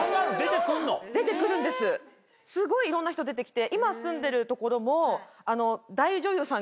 すごいいろんな人出てきて。